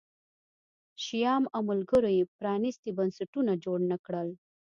شیام او ملګرو یې پرانیستي بنسټونه جوړ نه کړل